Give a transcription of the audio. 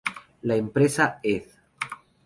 La empresa Ed.